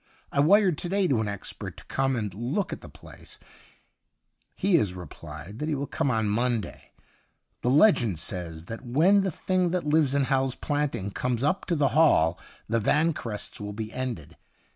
I wired to day to an expert to come and look at the place ; he has i eplied that he will come on Monday. The legend says that when the thing that lives in Hal's Planting comes up to the Hall the Vanquerests will be ended.